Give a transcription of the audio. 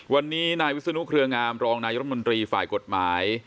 วันนี้นายวิศนุเครืองามรองนายรัฐมนตรีฝ่ายกฎหมาย